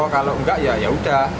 kalau enggak ya udah